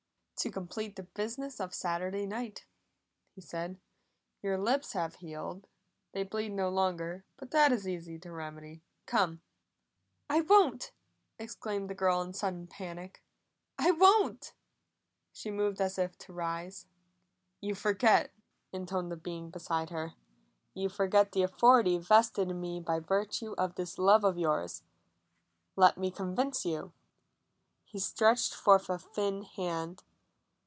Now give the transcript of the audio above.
"To complete the business of Saturday night," he said. "Your lips have healed; they bleed no longer, but that is easy to remedy. Come." "I won't!" exclaimed the girl in sudden panic. "I won't!" She moved as if to rise. "You forget," intoned the being beside her. "You forget the authority vested in me by virtue of this love of yours. Let me convince you." He stretched forth a thin hand.